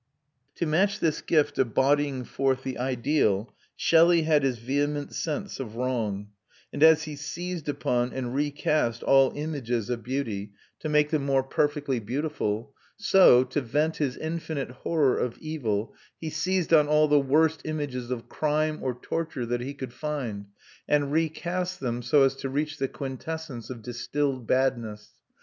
To match this gift of bodying forth the ideal Shelley had his vehement sense of wrong; and as he seized upon and recast all images of beauty, to make them more perfectly beautiful, so, to vent his infinite horror of evil, he seized on all the worst images of crime or torture that he could find, and recast them so as to reach the quintessence of distilled badness.